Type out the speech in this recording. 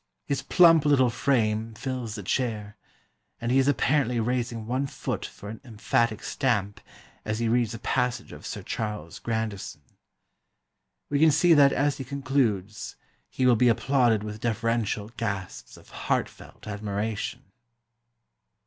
His plump little frame fills the chair, and he is apparently raising one foot for an emphatic stamp, as he reads a passage of Sir Charles Grandison. We can see that as he concludes he will be applauded with deferential gasps of heartfelt admiration."